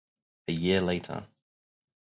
A year later.